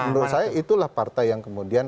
menurut saya itulah partai yang kemudian